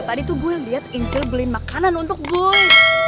tadi tuh gue liat injil beliin makanan untuk boy